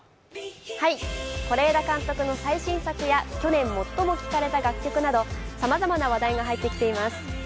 是枝監督の最新作や、去年最も聴かれた楽曲などさまざまな話題が入ってきています。